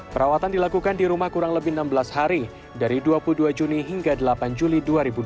perawatan dilakukan di rumah kurang lebih enam belas hari dari dua puluh dua juni hingga delapan juli dua ribu dua puluh